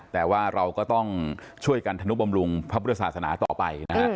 แต่ว่าเราก็ต้องช่วยกันธนุบำรุงพระพุทธศาสนาต่อไปนะฮะ